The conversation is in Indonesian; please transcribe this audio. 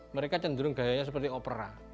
mereka cenderung gayanya seperti opera